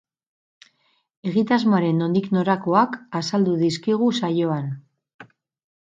Egitasmoaren nondik norakoak azaldu dizkigu saioan.